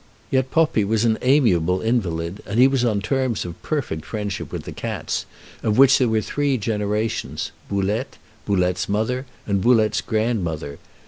Yet Poppi was an amiable invalid, and he was on terms of perfect friendship with the cats, of which there were three generations Boulette, Boulette's mother, and Boulette's grandmother.